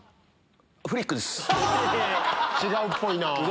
違うっぽいなぁ。